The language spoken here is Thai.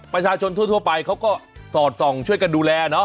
ประชาชนทั่วไปเขาก็สอดส่องช่วยกันดูแลเนอะ